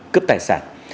cướp tài sản